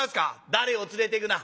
「誰を連れてくな？」。